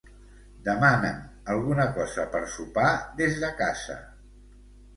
Demana'm alguna cosa per sopar des de casa.